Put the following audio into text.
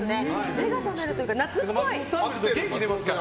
目が覚めるというか夏っぽい。